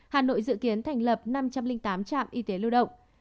hà nội dự kiến thành lập năm trăm linh tám trạm y tế lưu động